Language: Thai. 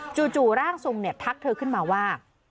จู่ร่างทรงทักเธอขึ้นมาว่า